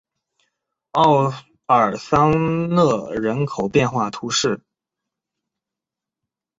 奥尔桑讷人口变化图示